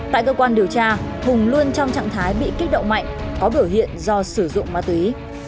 tại cơ quan điều tra hùng luôn trong trạng thái bị kích động mạnh có biểu hiện do sử dụng ma túy